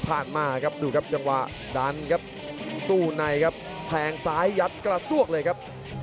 มาครับดูครับจังหวะดันครับสู้ในครับแทงซ้ายยัดกระซวกเลยครับ